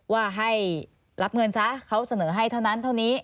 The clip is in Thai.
ว่าให้รับเงินซะเขาเสนอให้เท่านั้นเท่านี้